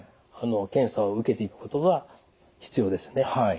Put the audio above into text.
検査を受けていくことが必要ですね。